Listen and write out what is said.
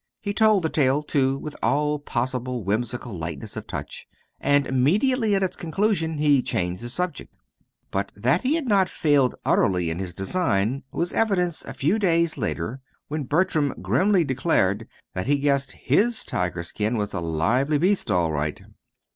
He told the tale, too, with all possible whimsical lightness of touch, and immediately at its conclusion he changed the subject. But that he had not failed utterly in his design was evidenced a few days later when Bertram grimly declared that he guessed his tiger skin was a lively beast, all right.